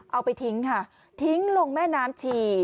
เอาไปทิ้งค่ะทิ้งลงแม่น้ำชี